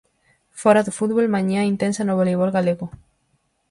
Fóra do fútbol, mañá intensa no voleibol galego.